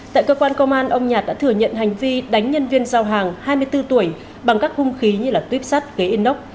tại cơ quan công an ông nhạt đã thử nhận hành vi đánh nhân viên giao hàng hai mươi bốn tuổi bằng các hung khí như tuyếp sắt kế in ốc